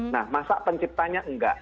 nah masa penciptanya enggak